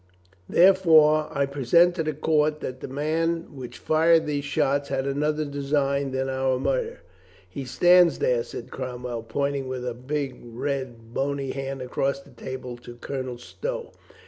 "Therefore, I present to the court that the man which fired those shots had another design than our murder." "He stands there," said Cromwell, pointing with big, red, bony hand across the table to Colonel Stow.